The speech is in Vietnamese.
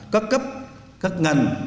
các cấp các ngành